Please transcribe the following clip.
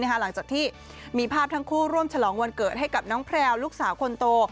หลังจากที่มีภาพทั้งคู่ร่วมฉลองวันเกิดให้กับน้องแพลวลูกสาวคนโต